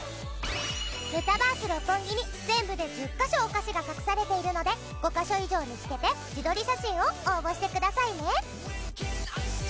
メタバース六本木に全部で１０カ所お菓子が隠されているので５カ所以上見つけて自撮り写真を応募してくださいね。